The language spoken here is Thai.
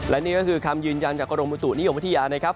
และนี่ก็คือคำยืนยันจากกรมบุตุนิยมวิทยานะครับ